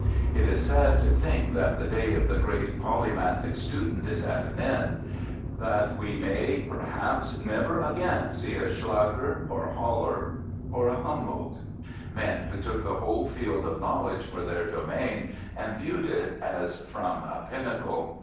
It is sad to think that the day of the great polymathic student is at an end; that we may, perhaps, never again see a Scaliger, a Haller, or a Humboldt men who took the whole field of knowledge for their domain and viewed it as from a pinnacle.